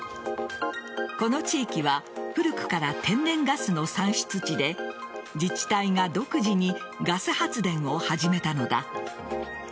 この地域は古くから天然ガスの産出地で自治体が独自にガス発電を始めたのだ。